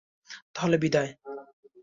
তাহলে, বিদায়।